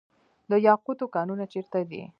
د یاقوتو کانونه چیرته دي؟